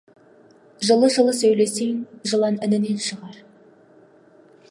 Жылы-жылы сөйлесең, жылан інінен шығар.